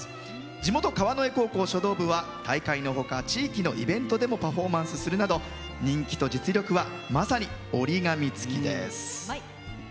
地元・川之江高校書道部は大会のほか、地域のイベントでもパフォーマンスするなど人気と実力はまさに折り紙付きです。